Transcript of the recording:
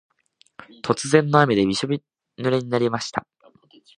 突然の雨でびしょぬれになりました。